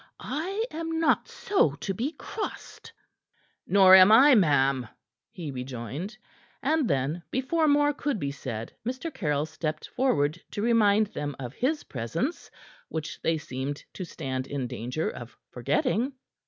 I am not so to be crossed!" "Nor am I, ma'am," he rejoined, and then, before more could be said, Mr. Caryll stepped forward to remind them of his presence which they seemed to stand in danger of forgetting.